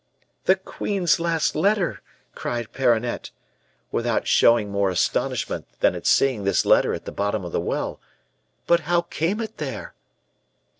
"'The queen's last letter!' cried Perronnette, without showing more astonishment than at seeing this letter at the bottom of the well; 'but how came it there?